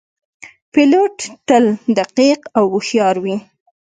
پیلوټ تل دقیق او هوښیار وي.